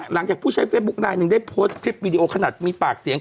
หลังจากผู้ใช้เฟซบุ๊คไลนึงได้โพสต์คลิปวิดีโอขนาดมีปากเสียง